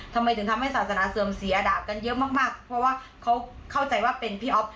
ทำไมถึงทำให้ศาสนาเสื่อมเสียดาบกันเยอะมากเพราะว่าเขาเข้าใจว่าเป็นพี่อ๊อฟ